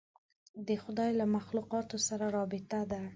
د خدای له مخلوقاتو سره رابطه ده.